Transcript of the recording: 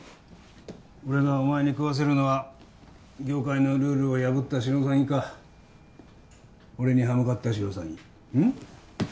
俺がお前に喰わせるのは業界のルールを破ったシロサギか俺に刃向かったシロサギうん？